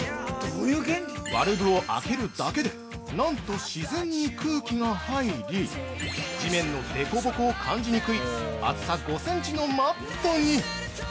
◆バルブを開けるだけでなんと、自然に空気が入り地面の凸凹を感じにくい厚さ５センチのマットに。